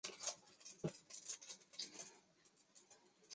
详见音高。